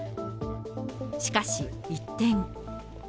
しかし一転。